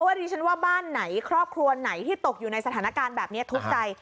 ดิฉันว่าบ้านไหนครอบครัวไหนที่ตกอยู่ในสถานการณ์แบบนี้ทุกข์ใจ